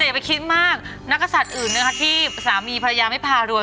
อย่าไปคิดมากนักศัตริย์อื่นนะคะที่สามีภรรยาไม่พารวย